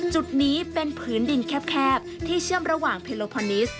จุดนี้เป็นผืนดินแคบที่เชื่อมระหว่างเพโลพอนิส